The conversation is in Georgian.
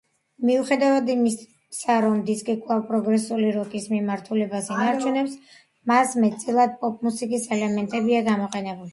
მიუხედავად იმისა, რომ დისკი კვლავ პროგრესული როკის მიმართულებას ინარჩუნებს, მასზე მეტწილად პოპ-მუსიკის ელემენტებია გამოყენებული.